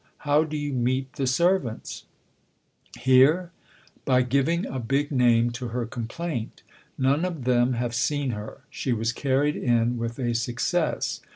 " How do you meet the servants ?"" Here ? By giving a big name to her complaint. None of them have seen her. She was carried in with a success